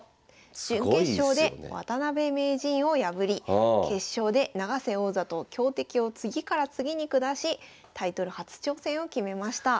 準決勝で渡辺名人を破り決勝で永瀬王座と強敵を次から次に下しタイトル初挑戦を決めました。